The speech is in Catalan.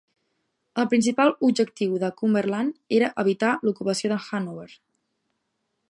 El principal objectiu de Cumberland era evitar l’ocupació de Hannover.